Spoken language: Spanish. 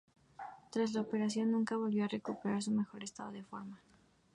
Tras la operación, nunca volvió a recuperar su mejor estado de forma.